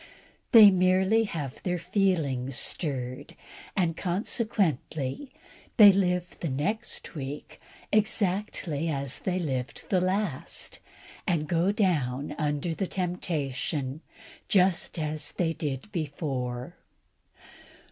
They merely have their feelings stirred, and, consequently, they live the next week exactly as they lived the last, and go down under the temptation just as they did before.